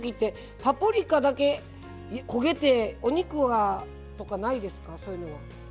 パプリカだけ焦げてお肉とかないですか？